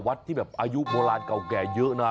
วัดที่อายุโบราณเก่าเยอะนะ